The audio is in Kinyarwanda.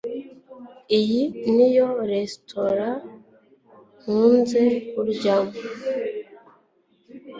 Iyi ni resitora nkunze kuryamo